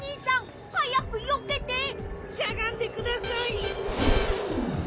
しゃがんでください！